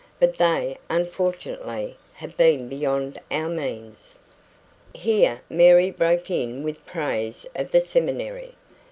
"But they, unfortunately, have been beyond our means " Here Mary broke in with praises of the seminary.